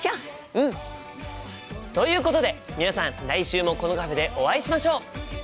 うん！ということで皆さん来週もこのカフェでお会いしましょう！